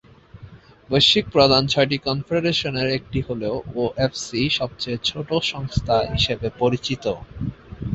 বৈশ্বিক প্রধান ছয়টি কনফেডারেশনের একটি হলেও ওএফসি সবচেয়ে ছোট সংস্থা হিসেবে পরিচিত।